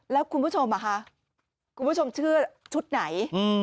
แล้วคุณผู้ชมอ่ะคะคุณผู้ชมเชื่อชุดไหน